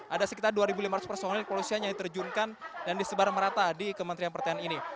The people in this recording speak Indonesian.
ada sekitar dua lima ratus personil kepolisian yang diterjunkan dan disebar merata di kementerian pertanian ini